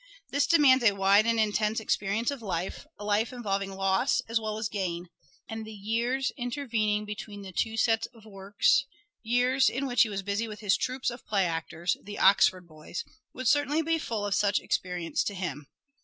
This demands a wide and intense experience of life ; a life involving loss as well as gain ; and the years intervening between the two sets of works, years in which he was busy with his troupes of play actors, the " Oxford Boys," would certainly be full of such experience to him.